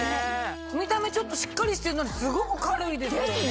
見た目しっかりしてんのにすごく軽いですよね。